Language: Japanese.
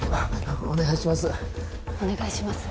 お願いします